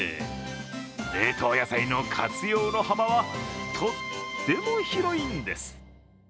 冷凍野菜の活用の幅はとっても広いんです。